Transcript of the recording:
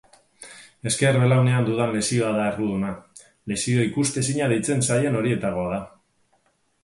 Ezker belaunean dudan lesioa da erruduna, lesio ikustezina deitzen zaien horietakoa da.